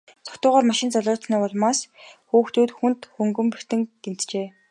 Согтуугаар машин жолоодсоны улмаас хүүхдүүд хүнд хөнгөн бэртэж гэмтжээ.